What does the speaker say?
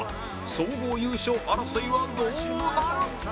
総合優勝争いはどうなる？